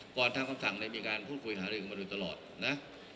ก่อนทางคำสั่งเนี่ยมีการพูดคุยหาเรื่องมาดูตลอดนะ